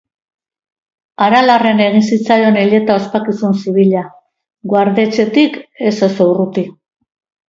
Aralarren egin zitzaion hileta ospakizun zibila, guardetxetik ez oso urruti.